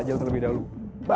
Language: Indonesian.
sampai jumpa di video selanjutnya